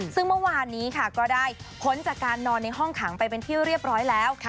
ซึ่งเมื่อวานนี้ค่ะก็ได้พ้นจากการนอนในห้องขังไปเป็นที่เรียบร้อยแล้ว